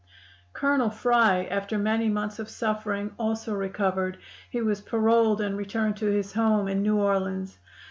"Colonel Fry, after many months of suffering, also recovered; he was paroled, and returned to his home in New Orleans.